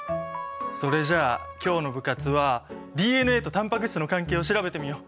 それじゃあ今日の部活はＤＮＡとタンパク質の関係を調べてみよう！